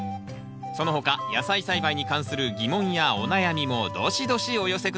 その他野菜栽培に関する疑問やお悩みもどしどしお寄せ下さい。